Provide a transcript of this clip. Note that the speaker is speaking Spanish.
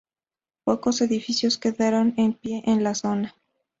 Pocos edificios quedaron en pie en la zona.